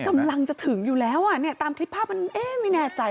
กำลังจะถึงอยู่แล้วตามคลิปภาพมันไม่แน่ใจ